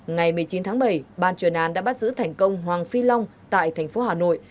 ngày một mươi chín tháng bảy ban chuyên án đã bắt giữ thành công hoàng phi long tại thành phố hà nội